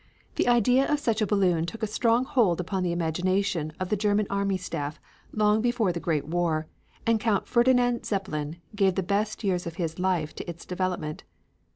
The idea of such a balloon took a strong hold upon the imagination of the German army staff long before the Great War, and Count Ferdinand Zeppelin gave the best years of his life to its development.